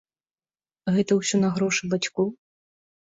Гэта ўсё на грошы бацькоў?